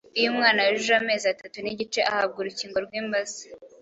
Iyo umwana yujuje amezi atatu n’igice ahabwa urukingo rw’imbasa,